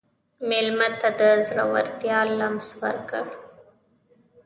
مېلمه ته د زړورتیا لمس ورکړه.